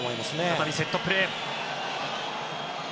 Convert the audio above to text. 再びセットプレー。